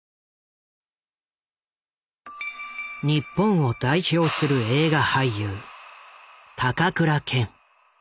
日本を代表する映画俳優高倉健。